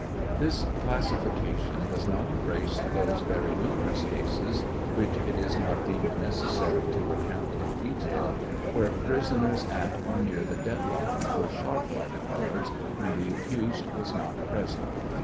This classification does not embrace those very numerous cases (which it is not deemed necessary to recount in detail) where prisoners at or near the dead line were shot by the guards when the accused was not present.